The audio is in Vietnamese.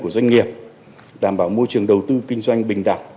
của doanh nghiệp đảm bảo môi trường đầu tư kinh doanh bình đẳng